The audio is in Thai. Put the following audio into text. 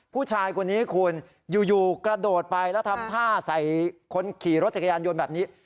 ผู้ชายคนนี้คุณอยู่กระโดดไปแล้วทำท่าใส่คนขี่รถจักรยานยนต์แบบนี้